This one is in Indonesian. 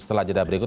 setelah jeda berikut